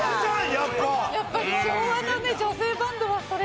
やっぱり昭和のね女性バンドはそれだよね。